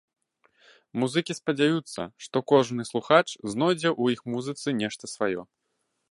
Музыкі спадзяюцца, што кожны слухач знойдзе ў іх музыцы нешта сваё.